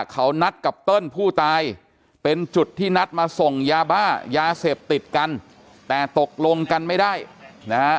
เขานัดกับเติ้ลผู้ตายเป็นจุดที่นัดมาส่งยาบ้ายาเสพติดกันแต่ตกลงกันไม่ได้นะฮะ